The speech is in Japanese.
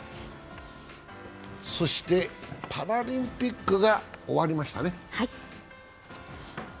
そしてパラリンピックが終わりましたね。